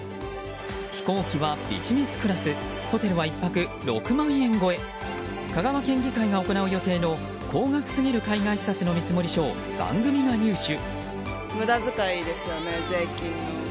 飛行機はビジネスクラスホテルは１泊６万円超え香川県議会が行う予定の高額すぎる海外視察の見積書を番組が入手。